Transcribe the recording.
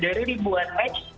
dari dibuat match